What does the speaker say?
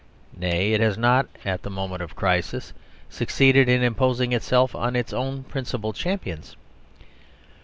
Nay, it has not, at the moment of crisis, succeeded in imposing itself on its own principal champions.